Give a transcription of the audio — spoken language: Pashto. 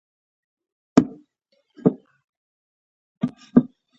هغه عکس پر مېز کېښود او د سلام ځواب يې ورکړ.